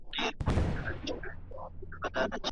حلال کار د اقتصادي سوکالۍ لامل کېږي.